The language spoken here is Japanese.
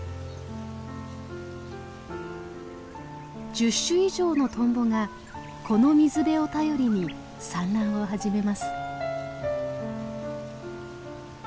１０種以上のトンボがこの水辺を頼りに産卵を始めます。